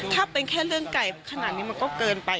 ถ้าเป็นแค่เรื่องไก่ขนาดนี้มันก็เกินไป